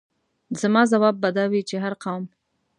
زما ځواب به دا وي چې هر قوم.